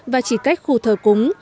và chỉ cách khu thờ cúng